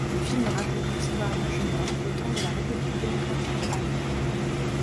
Le film raconte l'histoire d'un jeune homme au temps de la République démocratique allemande.